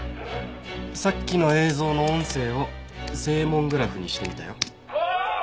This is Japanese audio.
さっきの映像の音声を声紋グラフにしてみたよ。